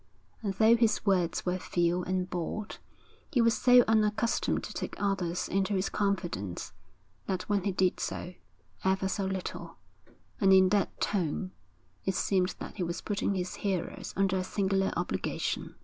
And though his words were few and bald, he was so unaccustomed to take others into his confidence, that when he did so, ever so little, and in that tone, it seemed that he was putting his hearers under a singular obligation.